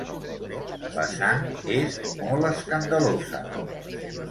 La sang és molt escandalosa.